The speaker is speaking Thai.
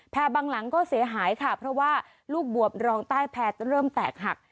บางหลังก็เสียหายค่ะเพราะว่าลูกบวบรองใต้แพร่เริ่มแตกหัก